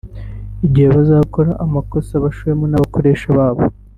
igihe bazakora amakosa bashowemo n’abakoresha babo